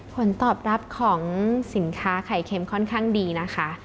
ผลตอบรับของสินค้าไข่เค็มค่อนข้างดีนะคะ